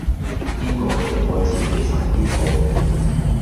邊個做過自己心知肚明